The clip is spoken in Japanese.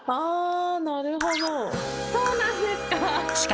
そうなんですか。